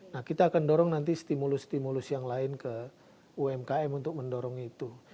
nah kita akan dorong nanti stimulus stimulus yang lain ke umkm untuk mendorong itu